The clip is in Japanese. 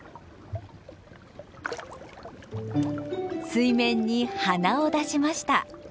水面に鼻を出しました。